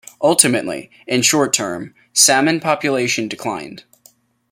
Ultimately, in the short term, salmon population declined.